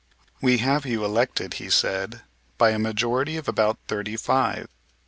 "We have you elected," he said, "by a majority of about thirty five.